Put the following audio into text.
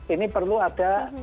ini perlu ada